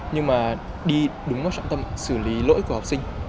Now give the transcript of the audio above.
nhưng mà đi đúng vào trọng tâm xử lý lỗi của học sinh